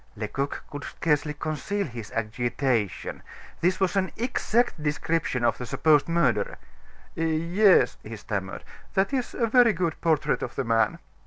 Lecoq could scarcely conceal his agitation. This was an exact description of the supposed murderer. "Yes," he stammered, "that is a very good portrait of the man."